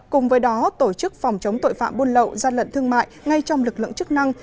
cùng với đó tổ chức phòng chống tội phạm buôn lậu gian lận thương mại ngay trong lực lượng chức năng